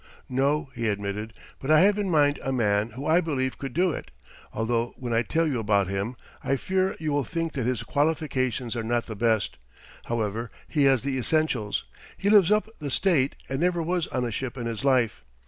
"No," he admitted, "but I have in mind a man who I believe could do it, although when I tell you about him I fear you will think that his qualifications are not the best. However, he has the essentials. He lives up the state, and never was on a ship in his life.